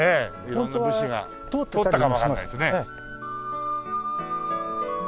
色んな武士が通ったかもわからないですね。